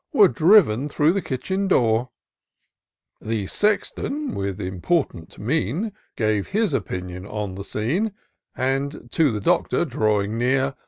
Were driven through the kitchen door ! The Sexton, with important mien, Gave his opinion on the scene ; And, to the Doctor drawing near.